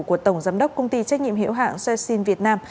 của tổng giám đốc công ty trách nhiệm hiệu hạng seacin việt nam